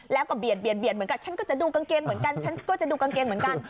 แล้วก็เบียดเหมือนกันฉันก็จะดูกางเกงเหมือนกัน